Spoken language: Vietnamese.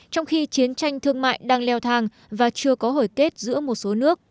trong khi chiến tranh thương mại đang leo thang và chưa có hồi kết giữa một số nước